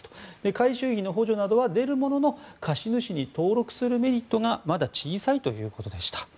改修費の補助などは出るものの貸主に登録するメリットがまだ小さいということでした。